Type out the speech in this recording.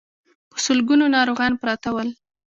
په سلګونو ناروغان پراته ول.